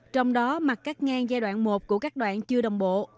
trong đó mặt cắt ngang giai đoạn một của các đoạn chưa đồng bộ